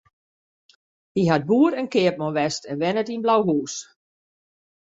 Hy hat boer en keapman west en wennet yn Blauhús.